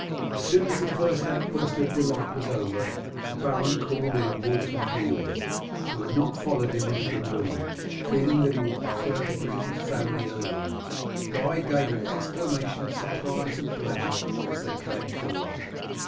As soon as the first outburst of delight was over the baron called in Wulf and Beorn, who had not followed him into the room, feeling that he would prefer to greet his family alone. Guy gave an exclamation of surprise and pleasure as they came forward.